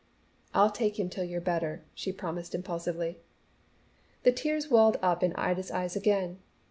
"I'll take him till you're better," she promised impulsively. The tears welled up in Ida's eyes again.